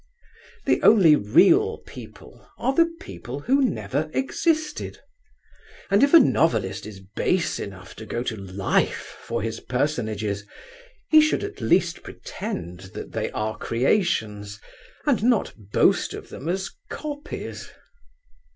The only real people are the people who never existed, and if a novelist is base enough to go to life for his personages he should at least pretend that they are creations, and not boast of them as copies.